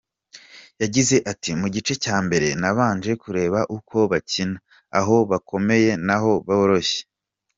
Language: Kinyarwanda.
Yagize ati “ Mu gice cya mbere nabanje kureba uko bakina, aho bakomeye naho boroshye.